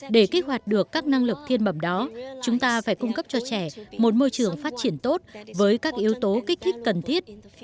để kích hoạt được các năng lực thiên bẩm đó chúng ta phải cung cấp cho trẻ một môi trường phát triển tốt với các yếu tố kích thích cần thiết